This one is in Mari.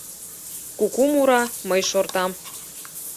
Куку мура, мый шортам